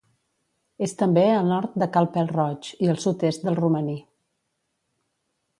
És també al nord de Cal Pèl-roig i al sud-est del Romaní.